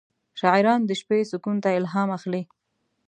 شاعران د شپې سکون ته الهام اخلي.